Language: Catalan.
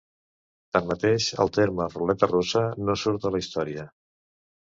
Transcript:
Tanmateix, el terme "Ruleta russa" no surt a la història.